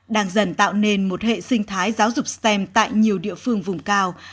đang dần tạo nên một hệ sinh thái giáo dục stem tại nhiều địa phương vùng cao